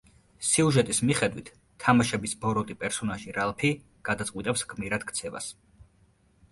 სიუჟეტის მიხედვით, თამაშების ბოროტი პერსონაჟი რალფი გადაწყვიტავს გმირად ქცევას.